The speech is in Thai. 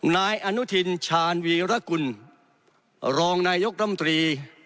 นายอนุทินชาญวีรกุลรองนายกรัมตรี